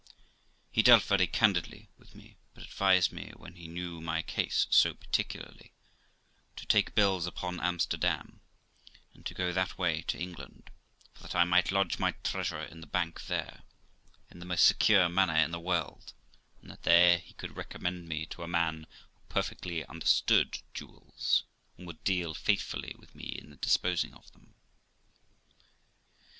He dealt very candidly with me, but advised me, when he knew my case so particularly, to take bills upon Amsterdam, and to go that way to England; for that I might lodge my treasure in the bank there, in the most secure manner in the world, and that there he could recommend me to a man who perfectly understood jewels, and would deal faithfully with me in the disposing them.